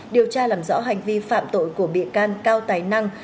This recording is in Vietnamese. điều tra làm rõ hành vi phạm tội của bị can cao tài năng